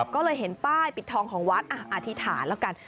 ก็เลยเห็นป้ายปิดทองของวัดอธิษฐานแล้วกัน